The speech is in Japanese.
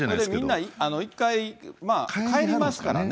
みんな一回帰りますからね。